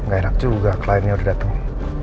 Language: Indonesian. gak enak juga kliennya udah datang